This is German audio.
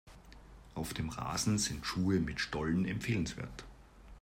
Auf dem Rasen sind Schuhe mit Stollen empfehlenswert.